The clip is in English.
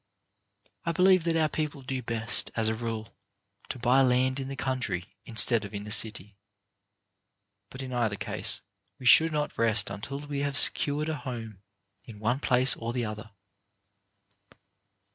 I believe that our people do best, as a rule, to buy land in the country instead of in the city; but in either case we should not rest until we have secured a home in one place or the other.